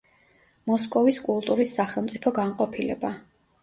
მოსკოვის კულტურის სახელმწიფო განყოფილება.